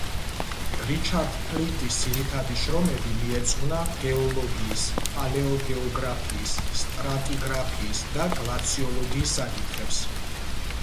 რიჩარდ ფლინტის ძირითადი შრომები მიეძღვნა გეოლოგიის, პალეოგეოგრაფიის, სტრატიგრაფიისა და გლაციოლოგიის საკითხებს.